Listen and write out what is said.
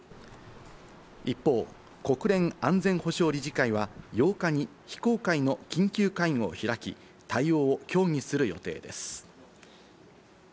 一方、国連安全保障理事会は８日に非公開の緊急会合を開き、対応を協議する予定です。